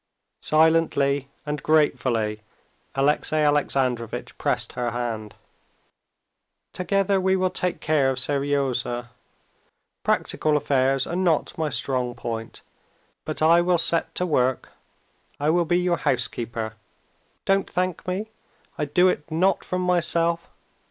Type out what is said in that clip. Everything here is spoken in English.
Silently and gratefully Alexey Alexandrovitch pressed her hand. "Together we will take care of Seryozha. Practical affairs are not my strong point. But I will set to work. I will be your housekeeper. Don't thank me. I do it not from myself...."